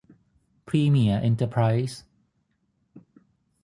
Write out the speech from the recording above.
พรีเมียร์เอ็นเตอร์ไพรซ์